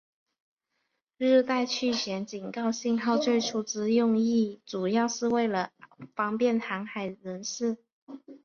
热带气旋警告信号最初之用意主要是为了方便航海人士。